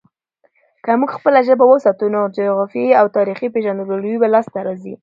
که موږ خپله ژبه وساتو، نو جغرافیايي او تاريخي پیژندګلوي لاسته راځي.